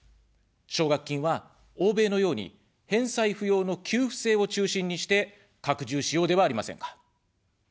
奨学金は、欧米のように返済不要の給付制を中心にして、拡充しようではありませんか。